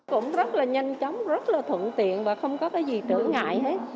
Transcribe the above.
cũng rất là nhanh chóng rất là thuận tiện và không có cái gì trở ngại hết